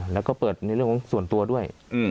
แล้วก็เปิดในเรื่องของส่วนตัวด้วย